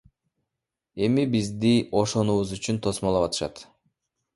Эми бизди ошонубуз үчүн тосмолоп жатышат.